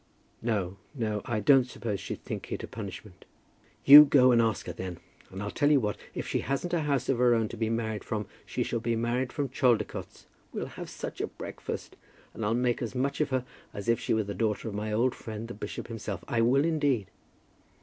"No, no; but I don't suppose she'd think it a punishment." "You go and ask her, then. And I'll tell you what. If she hasn't a house of her own to be married from, she shall be married from Chaldicotes. We'll have such a breakfast! And I'll make as much of her as if she were the daughter of my old friend, the bishop himself, I will indeed."